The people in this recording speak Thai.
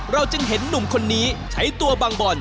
เราจะเห็นหนุ่มคนนี้ใช้ตัวบังบอน